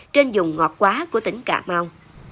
trên dùng ngọt quá của tỉnh cà mau